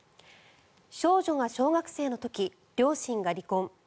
少女が小学生の時両親が離婚。